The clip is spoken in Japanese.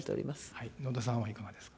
野田さんはいかがですか。